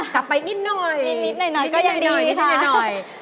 กลับไปนิดหน่อย